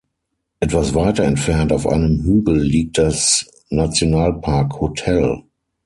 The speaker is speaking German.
Etwas weiter entfernt auf einem Hügel liegt das Nationalpark Hotel.